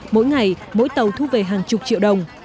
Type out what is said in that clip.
mỗi ngày mỗi tàu thu về hàng chục triệu đồng